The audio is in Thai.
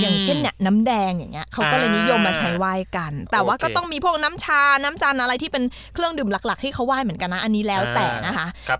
อย่างเช่นเนี่ยน้ำแดงอย่างเงี้เขาก็เลยนิยมมาใช้ไหว้กันแต่ว่าก็ต้องมีพวกน้ำชาน้ำจันทร์อะไรที่เป็นเครื่องดื่มหลักที่เขาไหว้เหมือนกันนะอันนี้แล้วแต่นะคะ